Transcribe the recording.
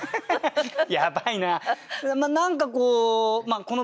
やばいな。